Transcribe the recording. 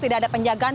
tidak ada penjagaan